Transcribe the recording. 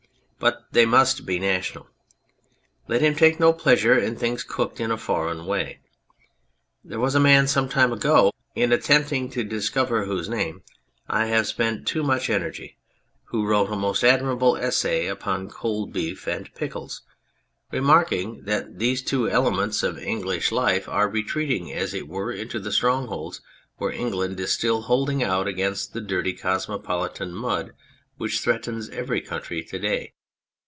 But they must be national. Let him take no pleasure in things cooked in a foreign way. There was a man some time ago, in attempting to discover whose name I have spent too much energy, who wrote a' most admirable essay upon cold beef and pickles, remarking that these two elements of English life 254 Our Inheritance are retreating as it were into the strongholds where England is still holding out against the dirty cosmo politan mud which threatens every country to day.